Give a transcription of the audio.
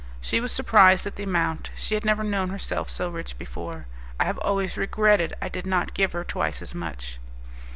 She was surprised at the amount; she had never known herself so rich before. I have always regretted I did not give her twice as much.